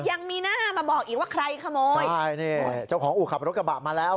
ยังมีหน้ามาบอกอีกว่าใครขโมยใช่นี่เจ้าของอู่ขับรถกระบะมาแล้ว